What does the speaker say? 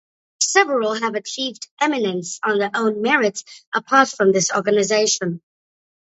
Several have achieved eminence on their own merit apart from this organization.